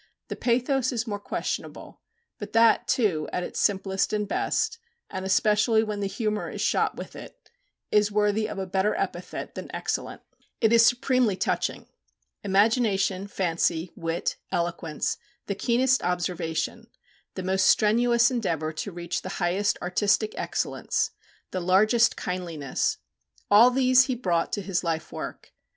The pathos is more questionable, but that too, at its simplest and best; and especially when the humour is shot with it is worthy of a better epithet than excellent. It is supremely touching. Imagination, fancy, wit, eloquence, the keenest observation, the most strenuous endeavour to reach the highest artistic excellence, the largest kindliness, all these he brought to his life work.